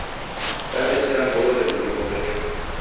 Daw'esera ngolo redu rihoresho.